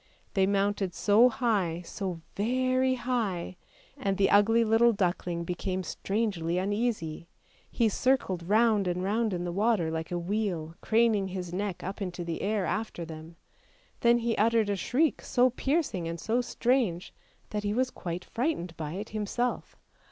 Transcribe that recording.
They mounted so high, so very high, and the ugly little duckling became strangely uneasy, he circled round and round in the water like a wheel, craning his neck up into the air after them. Then he uttered a shriek so piercing and so strange, that he was quite frightened by it himself.